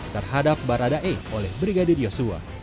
terhadap baradae oleh brigadir yosua